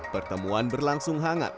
pertemuan berlangsung hangat